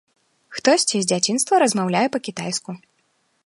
Хтосьці з дзяцінства размаўляе па-кітайску.